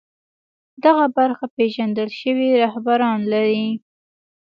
دغه برخه پېژندل شوي رهبران لري